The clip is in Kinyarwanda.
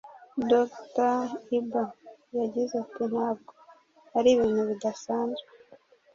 Dr. Iba yagize ati Ntabwo ari ibintu bidasanzwe,